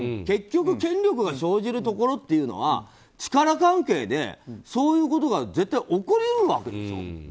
結局、権力が生じるところっていうのは力関係でそういうことが絶対起こり得るわけでしょ。